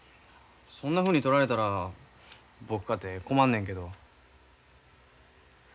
そんなふうに取られたら僕かて困んねんけど。